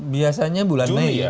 biasanya bulan mei